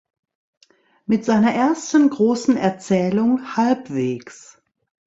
Mit seiner ersten großen Erzählung "Halbwegs.